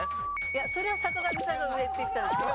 いやそれは坂上さんが上って言ったんですよ。